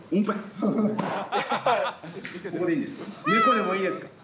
猫でもいいですか。